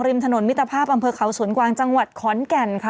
ถนนมิตรภาพอำเภอเขาสวนกวางจังหวัดขอนแก่นค่ะ